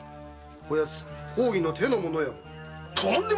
こやつ公儀の手の者やも。